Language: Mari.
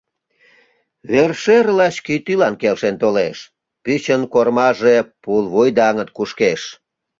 Вершӧр лач кӱтӱлан келшен толеш: пӱчын кормаже пулвуй даҥыт кушкеш.